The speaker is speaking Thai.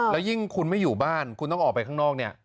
แล้วยิ่งคุณไม่อยู่บ้านคุณต้องออกไปข้างนอกเนี่ย